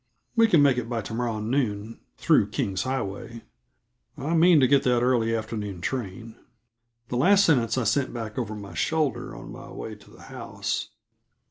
We can make it by to morrow noon through King's Highway. I mean to get that early afternoon train." The last sentence I sent back over my shoulder, on my way to the house.